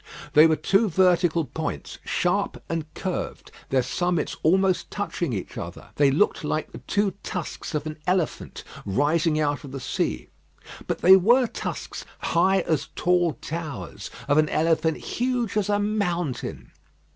They were two vertical points, sharp and curved their summits almost touching each other. They looked like the two tusks of an elephant rising out of the sea; but they were tusks, high as tall towers, of an elephant huge as a mountain.